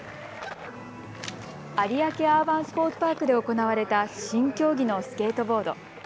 有明アーバンスポーツパークで行われた新競技のスケートボード。